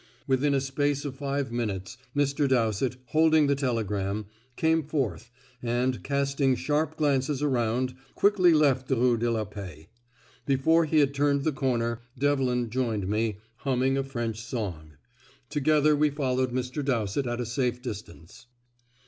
Within a space of five minutes, Mr. Dowsett, holding the telegram, came forth, and, casting sharp glances around, quickly left the Rue de la Paix. Before he had turned the corner, Devlin joined me, humming a French song. Together we followed Mr. Dowsett at a safe distance.